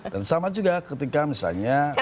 dan sama juga ketika misalnya ustadz